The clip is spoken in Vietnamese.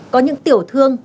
có những tiểu thương